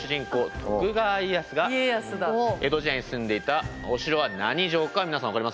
徳川家康が江戸時代に住んでいたお城は何城か皆さん分かりますか？